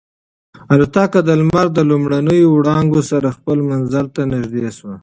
الوتکه د لمر د لومړنیو وړانګو سره خپل منزل ته نږدې شوه.